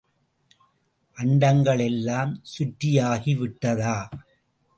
அண்டங்களை எல்லாம் சுற்றியாகி விட்டதா?